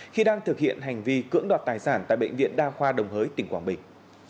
khi đang thực hiện hành vi cưỡng đoạt tài sản tại bệnh viện đa khoa đồng hới tỉnh quảng bình